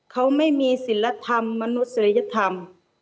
เขาไม่มีศิลธรรมมนุษยธรรม